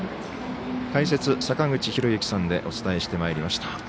解説、坂口裕之さんでお伝えしてきました。